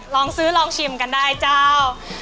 ลองซื้อลองชิมกันได้เจ้า